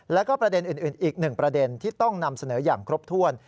แล้วก็ประเด็นอื่นอีกหนึ่งประเด็นที่ต้องนำเสนออย่างครบถ้วน